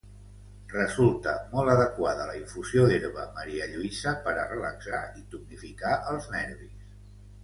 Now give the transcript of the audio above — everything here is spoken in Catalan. Resulta molt adequada la infusió d'herba marialluïsa per a relaxar i tonificar els nervis.